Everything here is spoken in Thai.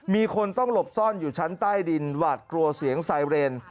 มีคนต้องหลบซ่อนอยู่ชั้นใต้ดินหวาดกลัวเสียงไซเรน